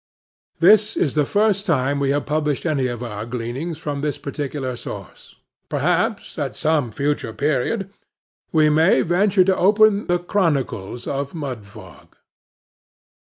This is the first time we have published any of our gleanings from this particular source. Perhaps, at some future period, we may venture to open the chronicles of Mudfog.